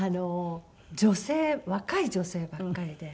女性若い女性ばっかりで。